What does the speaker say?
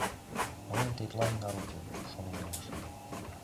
Мыйын тетла ӱнар уке», — шонен илыш.